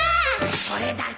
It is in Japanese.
それだけ？